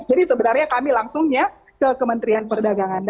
jadi sebenarnya kami langsungnya ke kementrian perdagangan